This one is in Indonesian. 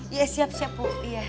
iya siap siap bu